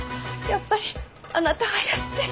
やっぱりあなたがやって。